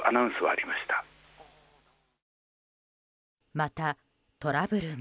また、トラブルも。